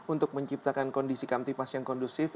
untuk menciptakan kondisi kamtipas yang kondusif